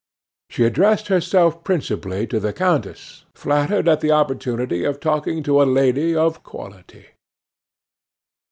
She addressed herself principally to the countess, flattered at the opportunity of talking to a lady of quality.